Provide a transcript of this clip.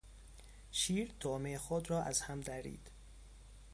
شیر طعمهی خود را از هم درید.